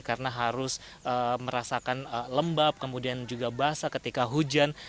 karena harus merasakan lembab kemudian juga basah ketika hujan